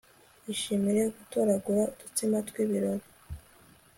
ishimire gutoragura udutsima tw'ibirori